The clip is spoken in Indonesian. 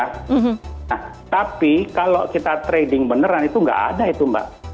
nah tapi kalau kita trading beneran itu nggak ada itu mbak